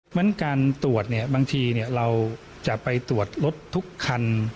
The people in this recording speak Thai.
เหมือนการตรวจบางทีเราจะไปตรวจรถทุกคัน